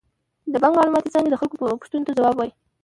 د بانک معلوماتي څانګه د خلکو پوښتنو ته ځواب وايي.